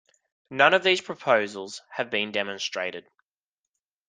None of these proposals have been demonstrated.